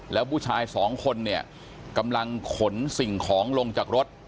แล้วผู้ชายสองคนเนี่ยกำลังขนสิ่งของลงจากรถ